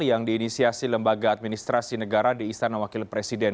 yang diinisiasi lembaga administrasi negara di istana wakil presiden